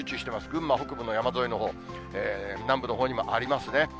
群馬北部の山沿いのほう、南部のほうにもありますね。